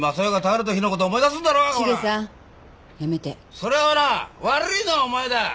それはな悪いのはお前だ！なあ？